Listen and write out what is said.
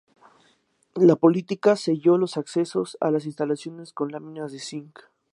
La policía selló los accesos a las instalaciones con láminas de zinc.